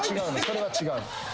それは違う。